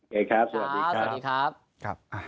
สวัสดีครับ